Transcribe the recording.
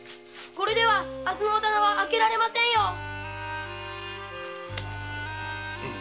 これでは明日のお店は開けられませんよ。